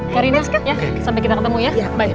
karina sampai kita ketemu ya